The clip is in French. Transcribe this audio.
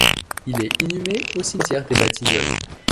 Il est inhumé au Cimetière des Batignolles.